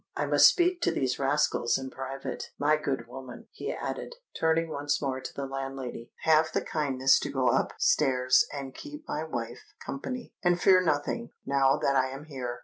I must speak to these rascals in private. My good woman," he added, turning once more to the landlady, "have the kindness to go up stairs and keep my wife company; and fear nothing—now that I am here."